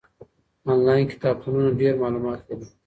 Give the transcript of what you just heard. آنلاین کتابتونونه ډېر معلومات لري.